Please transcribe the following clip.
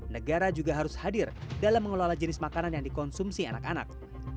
negara juga harus hadir dalam mengelola jenis makanan yang dikonsumsi anak anak